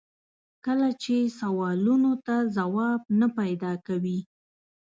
کله چې سوالونو ته ځواب نه پیدا کوي.